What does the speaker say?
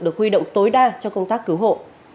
được huy động tối đa cho công tác cứu hộ